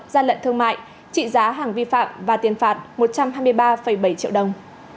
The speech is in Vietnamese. gian lận thương mại trị giá hàng vi phạm và tiền phạt một trăm hai mươi ba bảy triệu đồng